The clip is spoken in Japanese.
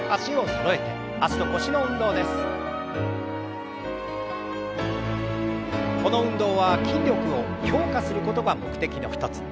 この運動は筋力を強化することが目的の一つ。